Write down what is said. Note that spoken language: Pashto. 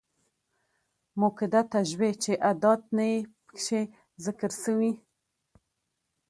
مؤکده تشبيه، چي ادات نه يي پکښي ذکر سوي.